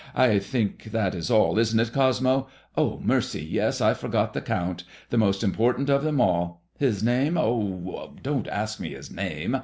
I think that is all, isn't it, Cosmo ? Oh, mercy! yes. I forgot the Count : the most important of them all. His name? Oh, don't ask me his name.